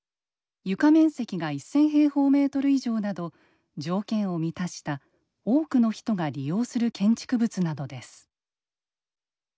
床面積が１，０００平方メートル以上など条件を満たした多くの人が利用する建築物などです。